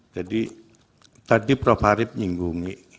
jadi tadi prof harip nyinggungi